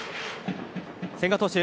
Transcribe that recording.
千賀投手